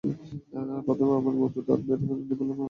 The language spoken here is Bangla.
প্রথমে আমের মতো ধরে দাঁত দিয়ে নিপল এরকম করবি।